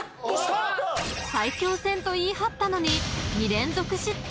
［最強戦と言い張ったのに２連続失点］